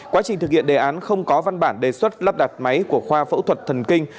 quá trình thực hiện đề án không có văn bản đề xuất lắp đặt máy của khoa phẫu thuật thần kinh